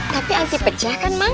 tapi anti pecah kan emang